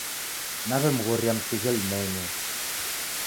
Nawemghoria msighe lumenyo.